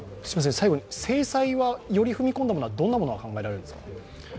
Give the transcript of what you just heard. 最後に制裁はより踏み込んだものはどんなものが考えられますか。